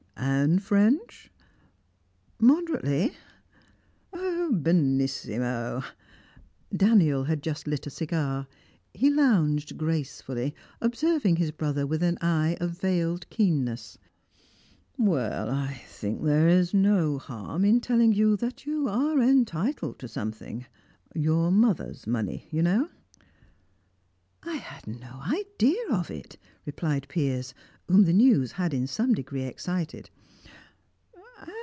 "And French?" "Moderately." "Benissimo!" Daniel had just lit a cigar; he lounged gracefully, observing his brother with an eye of veiled keenness. "Well, I think there is no harm in telling you that you are entitled to something your mother's money, you know." "I had no idea of it," replied Piers, whom the news had in some degree excited.